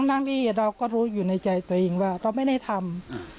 ทั้งที่เราก็รู้อยู่ในใจตัวเองว่าเราไม่ได้ทำ